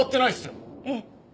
ええ。